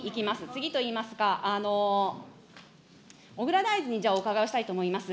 次といいますか、小倉大臣にお伺いをしたいと思います。